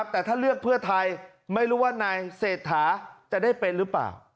แต่ถ้าเลือกเพื่อไทยไม่รู้ว่านายเศรษฐาจะได้เป็นหรือเปล่า